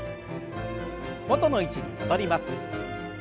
元の位置に戻ります。